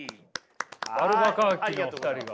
アルバカーキのお二人が。